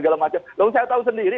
lalu saya tahu sendiri